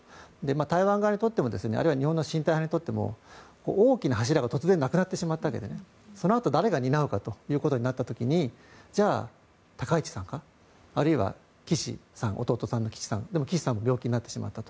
台湾側にとっても、あるいは日本の親台派側にとっても大きな柱が突然なくなってしまったわけでそのあと誰が担うかということになった時にじゃあ、高市さんかあるいは弟の岸さんでも岸さんも病気になってしまったと。